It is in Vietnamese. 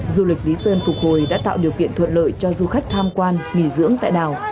du lịch lý sơn phục hồi đã tạo điều kiện thuận lợi cho du khách tham quan nghỉ dưỡng tại đảo